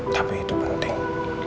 tapi itu penting